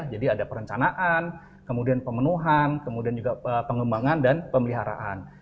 jadi ada perencanaan kemudian pemenuhan kemudian juga pengembangan dan pemeliharaan